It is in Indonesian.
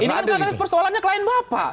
ini kan persoalannya klien bapak